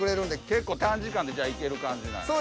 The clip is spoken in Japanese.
結構短時間でじゃあいける感じなんや。